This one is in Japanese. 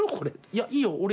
いやいいよ俺。